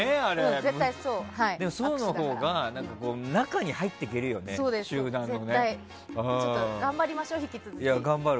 でも、そうのほうが中に入っていけるよね。頑張りましょう、引き続き。